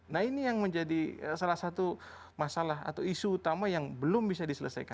nah ini yang menjadi salah satu masalah atau isu utama yang belum bisa diselesaikan